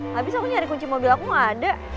habis aku nyari kunci mobil aku gak ada